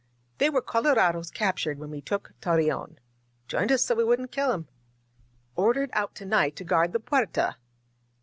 "They were colorados captured when we took Torreon. Joined us so we wouldn't kill 'em. Ordered out to night to guard the Puerta!"